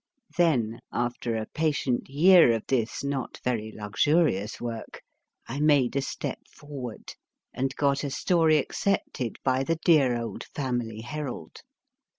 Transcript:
Then, after a patient year of this not very luxurious work, I made a step forward and got a story accepted by the dear old Family Herald.